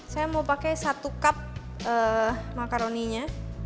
saya mau pakai satu cup makaroninya